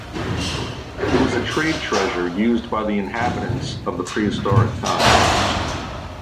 It was a trade treasure used by the inhabitants of the prehistoric time.